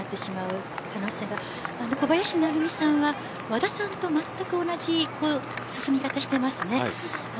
小林さんは和田さんとまったく同じ進み方をしています。